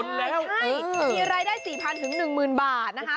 ใช่มีรายได้๔๐๐๑๐๐บาทนะคะ